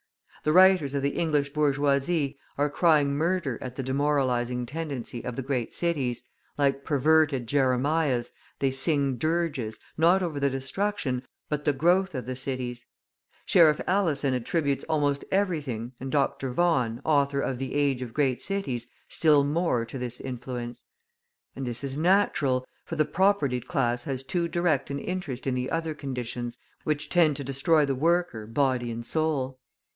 The writers of the English bourgeoisie are crying murder at the demoralising tendency of the great cities, like perverted Jeremiahs, they sing dirges, not over the destruction, but the growth of the cities. Sheriff Alison attributes almost everything, and Dr. Vaughan, author of "The Age of Great Cities," still more to this influence. And this is natural, for the propertied class has too direct an interest in the other conditions which tend to destroy the worker body and soul.